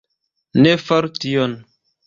Ne faru tion!